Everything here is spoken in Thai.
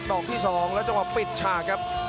ดอกที่สองแล้วจะมาปิดฉากครับ